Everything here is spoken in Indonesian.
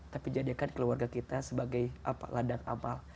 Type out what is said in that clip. tapi jadikan keluarga kita sebagai landang amal